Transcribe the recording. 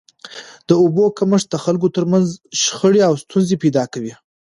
د اوبو کمښت د خلکو تر منځ شخړي او ستونزي پیدا کوي.